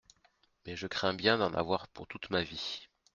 Mais je crains bien d'en avoir pour toute ma vie.